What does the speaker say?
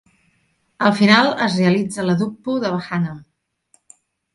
Al final es realitza l'eduppu de Vahanam.